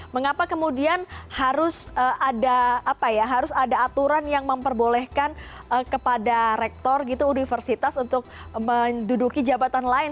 mengapa kemudian harus ada aturan yang memperbolehkan kepada rektor universitas untuk menduduki jabatan lain